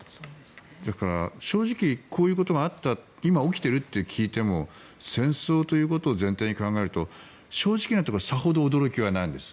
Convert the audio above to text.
だから正直こういうことがあった今、起きているということを聞いても戦争ということを前提に考えると正直なところさほど驚きはないんです。